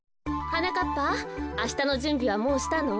はなかっぱあしたのじゅんびはもうしたの？